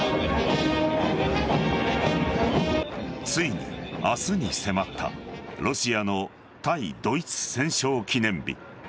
ついに明日に迫ったロシアの対ドイツ戦勝記念日。